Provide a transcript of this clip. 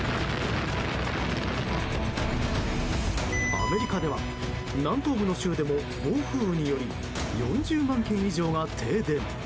アメリカでは南東部の州でも暴風雨により４０万軒以上が停電。